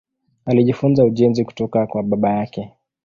Alijifunza ujenzi kutoka kwa baba yake.